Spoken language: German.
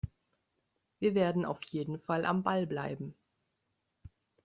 Wir werden auf jeden Fall am Ball bleiben.